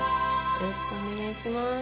よろしくお願いします。